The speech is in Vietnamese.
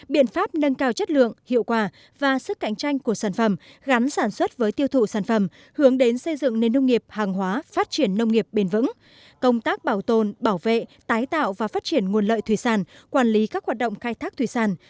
biện pháp nâng cao chất lượng hiệu quả và sức cạnh tranh của sản phẩm gắn sản xuất với tiêu thụ sản phẩm hướng đến xây dựng nền nông nghiệp hàng hóa phát triển nông nghiệp bền vững công tác bảo tồn bảo vệ tái tạo và phát triển nguồn lợi thủy sản quản lý các hoạt động khai thác thủy sản